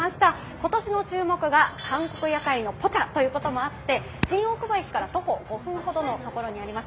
今年の注目が韓国屋台のポチャということもあって新大久保駅から徒歩５分ほどのところにあります